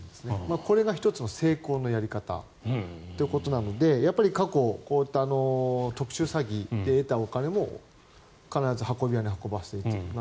これが１つの成功のやり方ということなのでやっぱり過去、こういった特殊詐欺で得たお金も必ず運び屋に運ばせるという。